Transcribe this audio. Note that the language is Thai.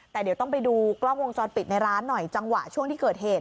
แต่เดี๋ยวต้องไปดูกล้องวงจรปิดในร้านหน่อยจังหวะช่วงที่เกิดเหตุ